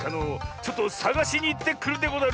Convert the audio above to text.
ちょっとさがしにいってくるでござる！